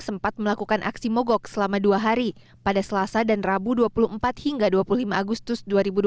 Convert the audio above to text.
sempat melakukan aksi mogok selama dua hari pada selasa dan rabu dua puluh empat hingga dua puluh lima agustus dua ribu dua puluh